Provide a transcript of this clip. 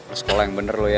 lo sekolah yang bener lo ya